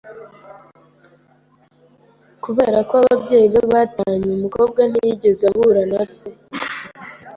Kubera ko ababyeyi be batanye, umukobwa ntiyigeze ahura na se.